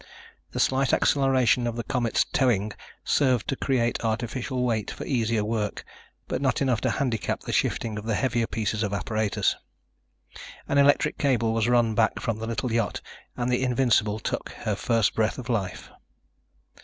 The slight acceleration of the Comet's towing served to create artificial weight for easier work, but not enough to handicap the shifting of the heavier pieces of apparatus. An electric cable was run back from the little yacht and the Invincible took her first breath of life.